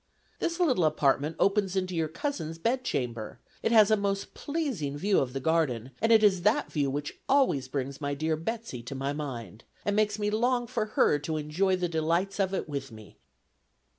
This little apartment opens into your cousin's bed chamber; it has a most pleasing view of the garden, and it is that view which always brings my dear Betsey to my mind, and makes me long for her to enjoy the delights of it with me."